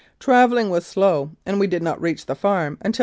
Travelling was slow, and we did not reach the farm until 9.